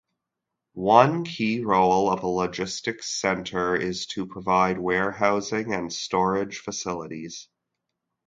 One key role of a logistics center is to provide warehousing and storage facilities.